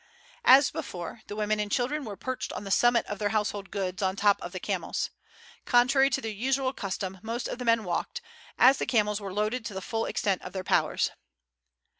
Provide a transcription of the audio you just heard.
As before, the women and children were perched on the summit of their household goods on the top of the camels. Contrary to their usual custom most of the men walked, as the camels were loaded to the full extent of their powers.